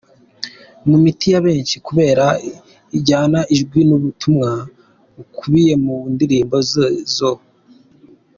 mu miti ya benshi kubera injyana, ijwi nubutumwa bukubiye mu ndirimbo ze zo.